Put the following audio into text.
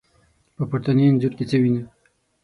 په پورتني انځور کې څه وينئ؟